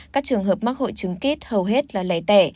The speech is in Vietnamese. các trường hợp mắc hội chứng kít hầu hết là lầy tẻ